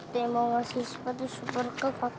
nek mau ngasih sepatu super kek pakai kakek nek tuh